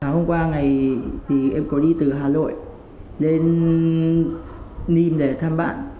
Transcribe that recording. hôm qua ngày em có đi từ hà nội đến nìm để thăm bạn